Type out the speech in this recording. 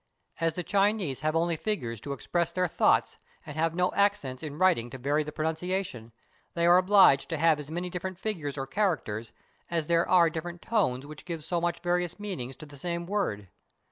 As the Chinese have only figures to express their thoughts and have no accents in writing to vary the pro nunciation, they are obliged to have as many different figures or characters as there are different tones which give so many various meanings to the same word.